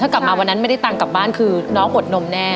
กลับมาวันนั้นไม่ได้ตังค์กลับบ้านคือน้องอดนมแน่